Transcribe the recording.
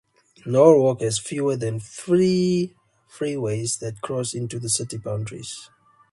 Norwalk has no fewer than three freeways that cross into city boundaries.